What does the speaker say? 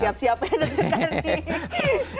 aduh siap siap ya